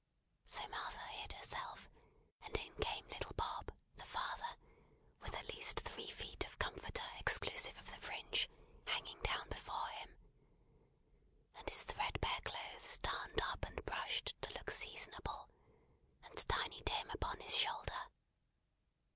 So Martha hid herself, and in came little Bob, the father, with at least three feet of comforter exclusive of the fringe, hanging down before him; and his threadbare clothes darned up and brushed, to look seasonable; and Tiny Tim upon his shoulder.